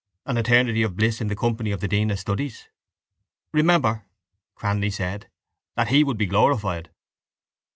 An eternity of bliss in the company of the dean of studies? —Remember, Cranly said, that he would be glorified.